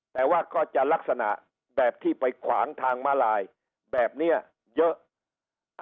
แต่ว่าก็จะลักษณะแบบที่ไปขวางทางมาลายแบบนี้เยอะ